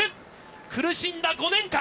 苦しんだ５年間。